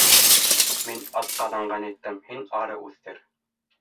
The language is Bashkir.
Мин атҡаҙанған иттем, һин ары үҫтер!